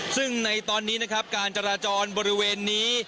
ซึ่งในตอนนี้นะครับการจราจรบริเวณนี้